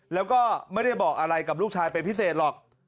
แล้วก็ไม่ได้บอกอะไรกับลูกชายเป็นพิเศษหรอก